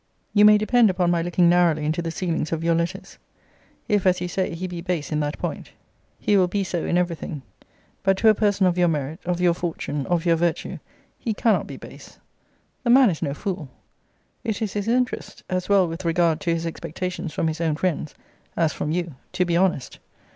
You may depend upon my looking narrowly into the sealings of your letters. If, as you say, he be base in that point, he will be so in every thing. But to a person of your merit, of your fortune, of your virtue, he cannot be base. The man is no fool. It is his interest, as well with regard to his expectations from his own friends, as from you, to be honest.